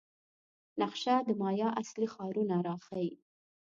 نقشه د مایا اصلي ښارونه راښيي.